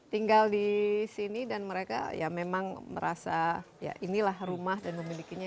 tinggal di sini dan mereka ya memang merasa ya inilah rumah dan memilikinya